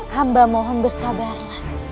hamba mohon bersabarlah